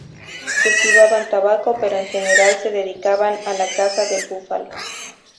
Cultivaban tabaco, pero en general se dedicaban a la caza del búfalo.